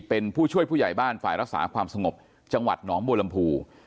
เป็นผู้ช่วยผู้ใหญ่บ้านฝ่ายรักษาความสงบจังหวัดหนองบัวลำพู